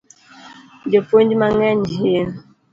Jopuonj mang'eny hin